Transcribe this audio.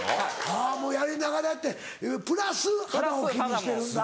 はぁもうやりながらやってプラス肌を気にしてるんだ。